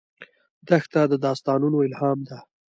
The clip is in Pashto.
دښته د داستانونو الهام ده.